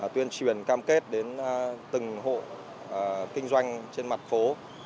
tuyên truyền cam kết đến từng hộ kinh doanh trên mặt phố